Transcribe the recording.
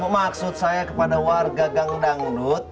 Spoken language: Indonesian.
maksud saya kepada warga gangdangdut